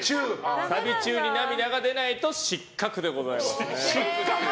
サビ中に涙が出ないと失格でございます。